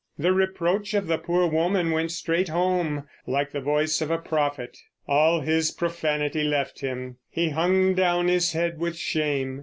The reproach of the poor woman went straight home, like the voice of a prophet. All his profanity left him; he hung down his head with shame.